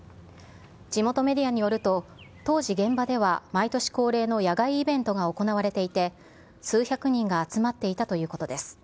地元メディアによると、当時、現場では毎年恒例の野外イベントが行われていて、数百人が集まっていたということです。